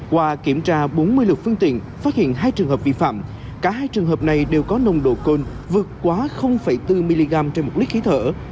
qua kiểm tra bốn mươi lực phương tiện phát hiện hai trường hợp vi phạm cả hai trường hợp này đều có nồng độ cồn vượt quá bốn mg trên một lít khí thở